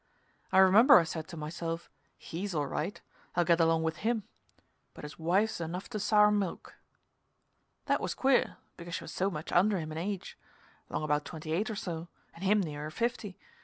I remember I said to myself: "He's all right. I'll get along with him. But his wife's enough to sour milk." That was queer, because she was so much under him in age 'long about twenty eight or so, and him nearer fifty.